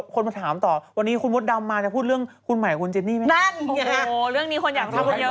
คนมาถามต่อวันนี้คุณวดดำมาจะพูดเรื่องคุณหมายกับคุณเจนี่ไหม